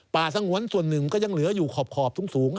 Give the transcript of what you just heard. สงวนส่วนหนึ่งก็ยังเหลืออยู่ขอบสูง